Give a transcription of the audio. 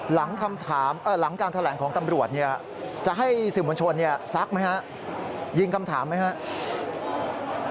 หลังการแถลงของตำรวจจะให้สิมวัญชนศักดิ์ไหมครับยิงคำถามไหมครับ